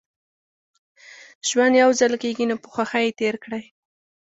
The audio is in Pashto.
ژوند يوځل کېږي نو په خوښۍ يې تېر کړئ